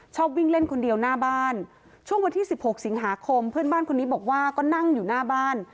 วิ่งเล่นคนเดียวหน้าบ้านช่วงวันที่๑๖สิงหาคมเพื่อนบ้านคนนี้บอกว่าก็นั่งอยู่หน้าบ้าน